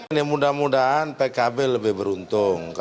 ini mudah mudahan pkb lebih beruntung